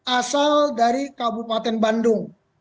asal dari kabupaten bandung